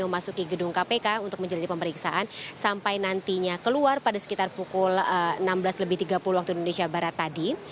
memasuki gedung kpk untuk menjalani pemeriksaan sampai nantinya keluar pada sekitar pukul enam belas lebih tiga puluh waktu indonesia barat tadi